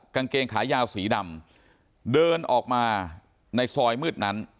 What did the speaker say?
กางเกงขายาวสีดำเดินออกมาในซอยมืดนั้น